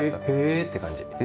へえって感じ。